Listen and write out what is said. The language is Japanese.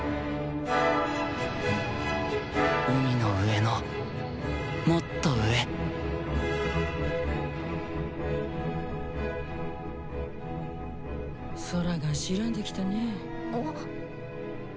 海の上のもっと上空が白んできたね。